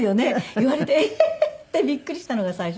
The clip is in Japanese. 言われてええー！ってびっくりしたのが最初でした。